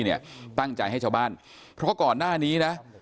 แล้วท่านผู้ชมครับบอกว่าตามความเชื่อขายใต้ตัวนะครับ